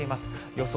予想